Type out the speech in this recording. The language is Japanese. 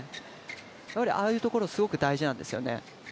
ああいうところ、すごく大事なんですよね。